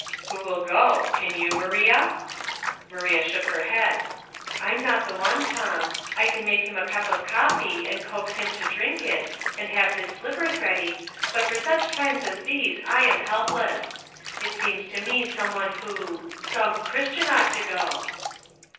'" Who will go ? Can you, Maria ?" Maria shook her head. "I am not the one, Tom. I can make him a cup of coffee, and coax him to drink it, and have his blippers ready, but for such times as these 1 am helpless. It seems to me some one who — some Christian ought to go."